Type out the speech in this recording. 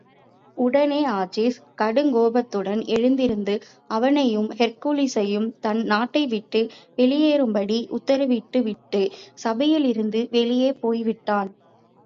உடனே ஆஜியஸ், கடுங்கோபத்துடன் எழுந்திருந்து, அவனையும் ஹெர்க்குலிஸையும் தன் நாட்டைவிட்டு வெளியேறும்படி உத்தரவிட்டுவிட்டு சபையிலிருந்து வெளியே போய்விட்டான்.